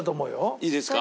いいですか？